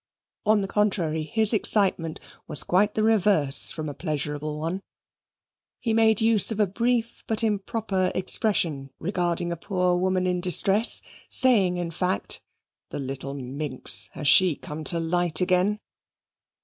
On the contrary, his excitement was quite the reverse from a pleasurable one; he made use of a brief but improper expression regarding a poor woman in distress, saying, in fact, "The little minx, has she come to light again?"